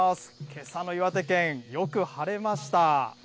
けさの岩手県、よく晴れました。